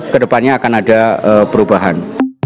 kedepannya akan ada perubahan